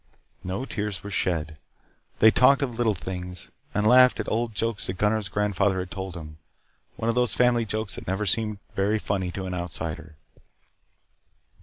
No tears were shed. They talked of little things, and laughed at old jokes that Gunnar's grandfather had told them. One of those family jokes that never seem very funny to an outsider.